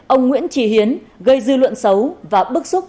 ông nguyễn trí hiến gây dư luận xấu và bức xúc